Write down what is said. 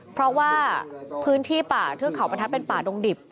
เพราะว่าพื้นที่ป่าเทือกเขาบรรทัศน์เป็นป่าดงดิบ